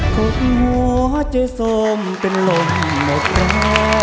หกหัวเจสมเป็นลมหมดแรง